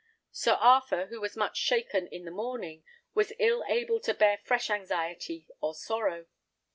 Sir Arthur, who was much shaken in the morning, was ill able to bear fresh anxiety or sorrow.